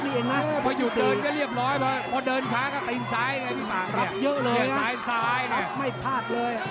หักตรงช้ายแล้วหยุดเลยครับพิบาย